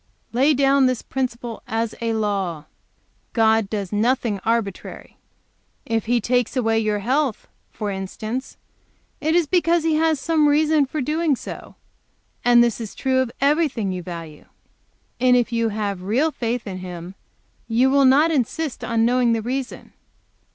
Lay down this principle as a law God does nothing arbitrary. If He takes away your health, for instance, it is because He has some reason for doing so; and this is true of everything you value; and if you have real faith in Him you will not insist on knowing this reason.